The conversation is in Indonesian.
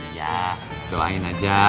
iya doain aja